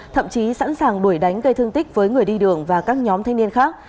thậm chí sẵn sàng đuổi đánh gây thương tích với người đi đường và các nhóm thanh niên khác